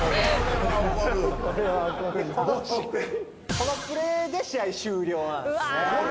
このプレーで試合終了なんですね。